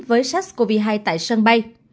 với sars cov hai tại sân bay